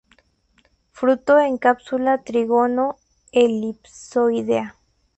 Fruto en cápsula trígono-elipsoidea.